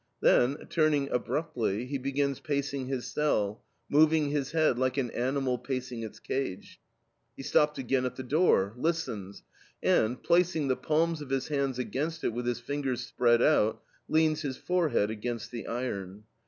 Then, turning abruptly, he begins pacing his cell, moving his head, like an animal pacing its cage. He stops again at the door, listens, and, placing the palms of his hands against it with his fingers spread out, leans his forehead against the iron.